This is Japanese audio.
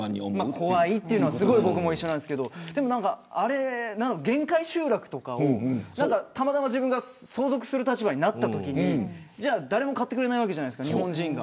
怖いの僕も一緒ですけど限界集落とかをたまたま自分が相続する立場になったときに誰も買ってくれないわけじゃないですか日本人が。